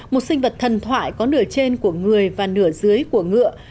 một sinh vật thần thoại có nửa trên của người và nửa dưới của ngựa